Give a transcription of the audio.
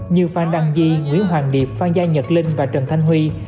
nhiều phan đăng di nguyễn hoàng điệp phan gia nhật linh và trần thanh huy